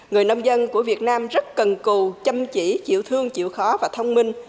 người nông dân của việt nam rất cần cù chăm chỉ chịu thương chịu khó và thông minh